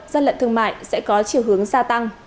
gian lận thương mại sẽ có chiều hướng gia tăng